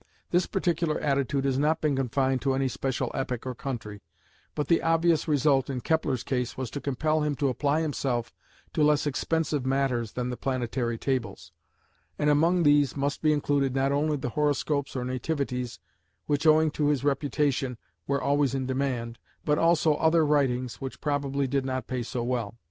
This particular attitude has not been confined to any special epoch or country, but the obvious result in Kepler's case was to compel him to apply himself to less expensive matters than the Planetary Tables, and among these must be included not only the horoscopes or nativities, which owing to his reputation were always in demand, but also other writings which probably did not pay so well.